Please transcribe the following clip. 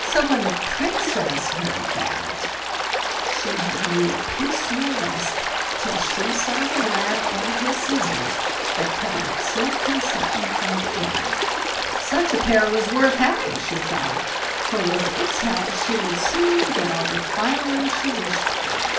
So, when the Princess heard that, she had neither peace nor rest till she saw the lad and his scissors that cut out silk and satin from the air; such a pair was worth having, she thought, for with its help she would soon get all the finery she wished for.